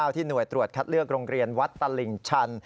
ที่หน่วยตรวจคัดเลือกโรงเรียนวัดตลิ่งชัน